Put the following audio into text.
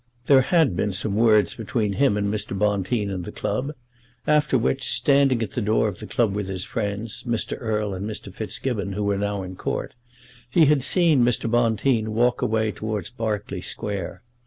There had been some words between him and Mr. Bonteen in the club; after which, standing at the door of the club with his friends, Mr. Erle and Mr. Fitzgibbon, who were now in court, he had seen Mr. Bonteen walk away towards Berkeley Square.